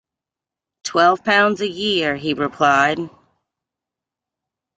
‘Twelve pounds a year,’ he replied.